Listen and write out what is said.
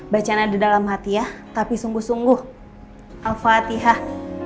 bacana di dalam hati ya tapi sungguh sungguh al fatihah